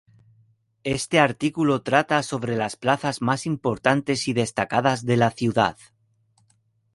Este artículo trata sobre las plazas más importantes y destacadas de la ciudad.